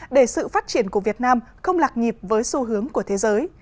để sự phát triển của việt nam không lạc nhịp với xu hướng của thế giới